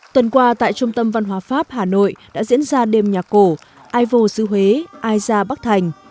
tuần qua tại trung tâm văn hóa pháp hà nội đã diễn ra đêm nhạc cổ ai vô sư huế ai gia bắc thành